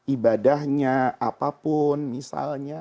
ibadahnya apapun misalnya